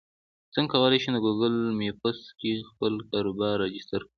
څنګه کولی شم د ګوګل مېپس کې خپل کاروبار راجستر کړم